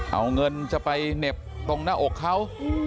เอาเงินจะไปเหน็บตรงหน้าอกเขา